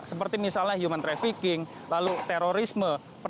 seperti misalnya human trafficking lalu terorisme